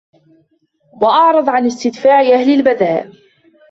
وَأَعْرَضَ عَنْ اسْتِدْفَاعِ أَهْلِ الْبَذَاءِ